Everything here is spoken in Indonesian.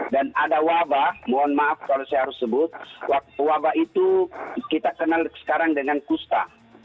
dan ada wabah mohon maaf kalau saya harus sebut wabah itu kita kenal sekarang dengan kusta